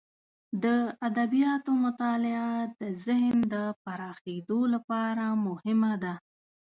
د ادبیاتو مطالعه د ذهن د پراخیدو لپاره مهمه ده.